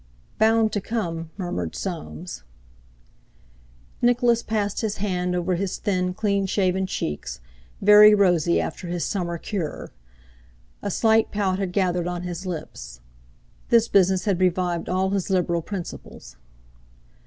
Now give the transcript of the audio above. "Bound to come," murmured Soames. Nicholas passed his hand over his thin, clean shaven cheeks, very rosy after his summer cure; a slight pout had gathered on his lips. This business had revived all his Liberal principles.